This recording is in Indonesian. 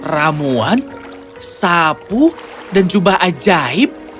ramuan sapu dan jubah ajaib